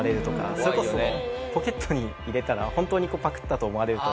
それこそポケットに入れたら本当にパクったと思われると。